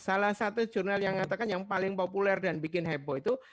salah satu jurnal yang mengatakan yang paling populer dan bikin heboh itu